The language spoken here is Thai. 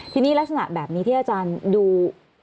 ทีนี้ลักษณะแบบนี้ที่อาจารย์ดู